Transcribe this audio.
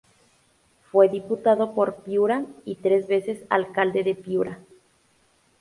Fue diputado por Piura y tres veces alcalde de Piura.